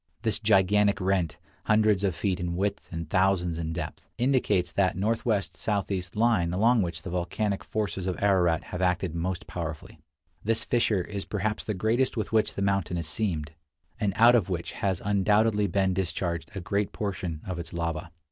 This gigantic rent, hundreds of feet in width and thousands in depth, indicates that northwest southeast line along which the volcanic forces of Ararat have acted most powerfully. This fissure is perhaps the greatest with which the mountain is seamed, and out of which has undoubtedly been discharged a great portion of its lava.